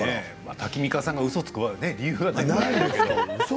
タキミカさんがうそをつく理由はないですからね。